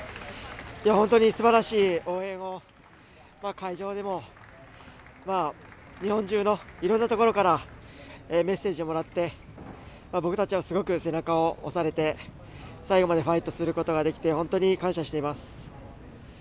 本当にすばらしい応援を会場でも日本中のいろんなところからメッセージをもらって僕たちもすごく背中を押されて最後までファイトすることができて本当に感謝しています。